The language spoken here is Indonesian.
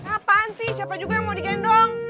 kapan sih siapa juga yang mau digendong